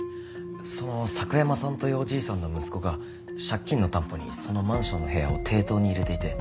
その佐久山さんというおじいさんの息子が借金の担保にそのマンションの部屋を抵当に入れていて。